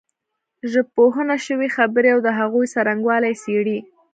ژبپوهنه شوې خبرې او د هغوی څرنګوالی څېړي